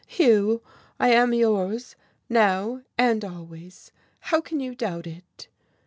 "Hugh, I am yours, now and always. How can you doubt it?"